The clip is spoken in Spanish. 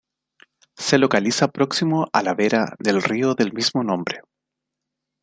Se localiza próximo a la vera del río de mismo nombre.